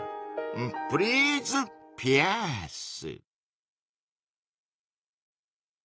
プリーズピアース。